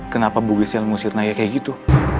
kenapa bu gesel mengusir naya kayak gitu